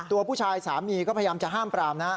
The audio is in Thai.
ตัวผู้ชายสามีก็พยายามจะห้ามปรามนะครับ